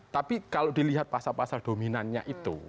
tapi kalau dilihat pasar pasar dominannya itu